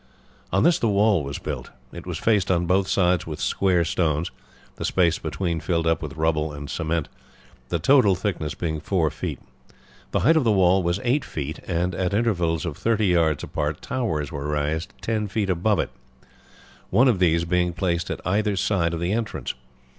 On this the wall was built. It was faced on both sides with square stones, the space between filled up with rubble and cement, the total thickness being 4 feet. The height of the wall was 8 feet, and at intervals of 30 yards apart towers were raised 10 feet above it, one of these being placed at either side of the entrance.